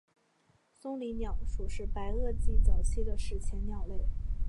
松岭鸟属是白垩纪早期的史前鸟类。